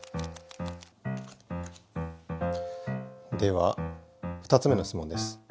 では２つ目の質問です。